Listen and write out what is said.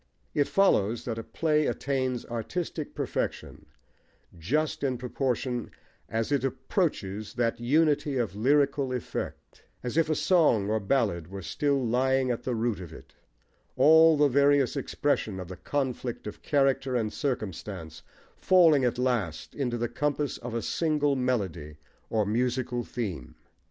It follows that a play attains artistic perfection just in proportion as it approaches that unity of lyrical effect, as if a song or ballad were still lying at the root of it, all the various expression of the conflict of character and circumstance falling at last into the compass of a single melody, or musical theme.